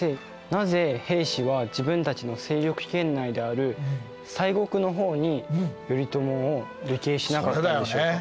なぜ平氏は自分たちの勢力圏内である西国の方に頼朝を流刑しなかったんでしょうか？